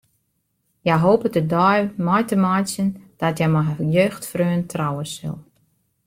Hja hopet de dei mei te meitsjen dat hja mei har jeugdfreon trouwe sil.